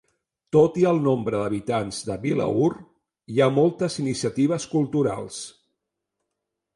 Tot i el nombre d'habitants de Vilaür, hi ha moltes iniciatives culturals.